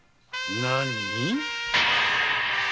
何？